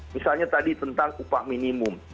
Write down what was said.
misalnya tadi tentang upah minimum